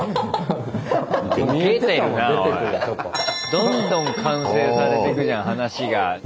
どんどん完成されてくじゃん話が。